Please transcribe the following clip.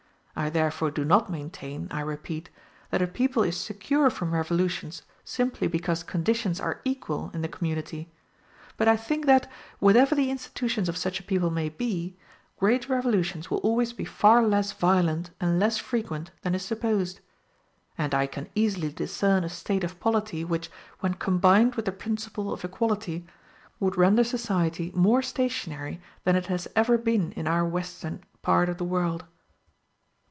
I therefore do not maintain, I repeat, that a people is secure from revolutions simply because conditions are equal in the community; but I think that, whatever the institutions of such a people may be, great revolutions will always be far less violent and less frequent than is supposed; and I can easily discern a state of polity, which, when combined with the principle of equality, would render society more stationary than it has ever been in our western apart of the world.